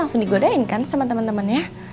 langsung digodain kan sama temen temennya